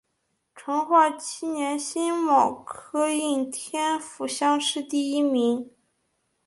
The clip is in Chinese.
成化七年辛卯科应天府乡试第一名。